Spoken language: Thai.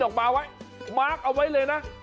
ออกมาไว้มาร์คเอาไว้เลยนะ